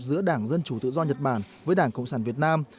giữa đảng dân chủ tự do nhật bản với đảng cộng sản việt nam